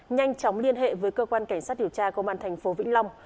nhanh chóng liên hệ với cơ quan cảnh sát điều tra công an thành phố vĩnh long